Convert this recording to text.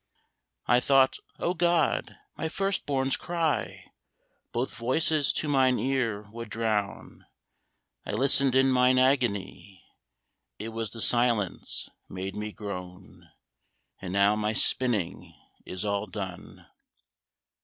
I thought, O God! my first born's cry Both voices to mine ear would drown: I listened in mine agony, It was the silence made me groan! And now my spinning is all done.